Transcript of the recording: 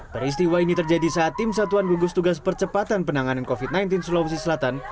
peristiwa ini terjadi saat tim satuan gugus tugas percepatan penanganan covid sembilan belas sulawesi selatan